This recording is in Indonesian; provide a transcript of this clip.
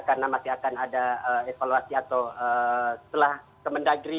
karena masih akan ada evaluasi atau setelah kementerian dalam negeri